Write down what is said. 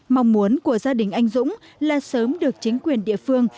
mong muốn của gia đình anh dũng là sớm được chính quyền địa phương